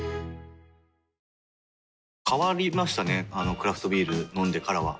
クラフトビール飲んでからは。